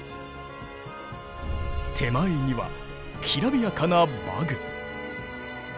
手前にはきらびやかな馬具。